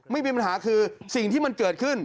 ไม่มีปัญหาคือสิ่งที่มันเกิดขึ้น